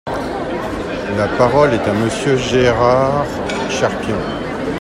La parole est à Monsieur Gérard Cherpion.